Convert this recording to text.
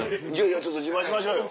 ちょっと自慢しましょうよ。